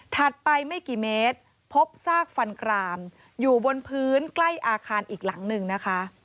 ไปไม่กี่เมตรพบซากฟันกรามอยู่บนพื้นใกล้อาคารอีกหลังหนึ่งนะคะ